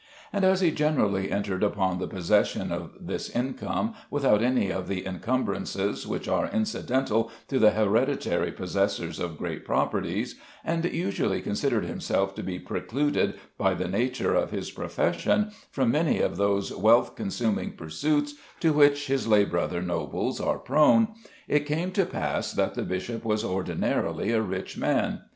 And as he generally entered upon the possession of this income without any of the encumbrances which are incidental to the hereditary possessors of great properties, and usually considered himself to be precluded by the nature of his profession from many of those wealth consuming pursuits to which his lay brother nobles are prone, it came to pass that the bishop was ordinarily a rich man.